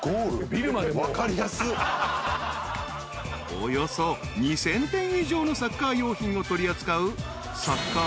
［およそ２，０００点以上のサッカー用品を取り扱う］